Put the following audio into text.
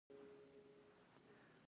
ادیبان د ژبې ښکلا انځوروي.